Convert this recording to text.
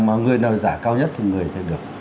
mà người nào giả cao nhất thì người sẽ được